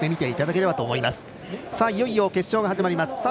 いよいよ決勝が始まります。